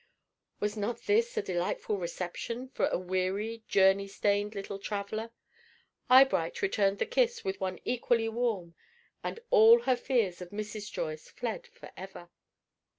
Was not this a delightful reception for a weary, journey stained little traveller? Eyebright returned the kiss with one equally warm, and all her fears of Mrs. Joyce fled for ever.